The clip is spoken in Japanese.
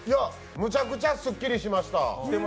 むちゃくちゃすっきりしました。